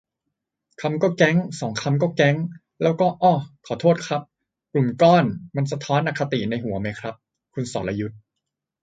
คำก็ 'แก๊ง' สองคำก็ 'แก๊ง' แล้วก็ อ้อ ขอโทษครับ 'กลุ่มก้อน' มันสะท้อนอคติในหัวไหมครับ คุณสรยุทธ์